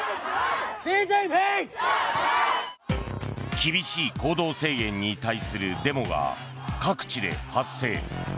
厳しい行動制限に対するデモが各地で発生。